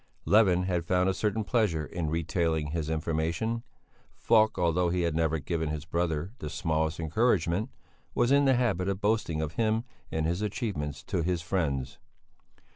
Levin had found a certain pleasure in retailing his information. Falk, although he had never given his brother the smallest encouragement, was in the habit of boasting of him and his achievements to his friends.